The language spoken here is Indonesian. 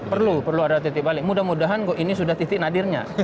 perlu perlu ada titik balik mudah mudahan kok ini sudah titik nadirnya